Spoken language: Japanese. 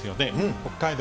北海道